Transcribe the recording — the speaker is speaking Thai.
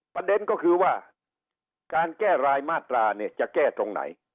ประเด็นก็คือว่าการแก้รายมาตราเนี่ยจะแก้ตรงไหน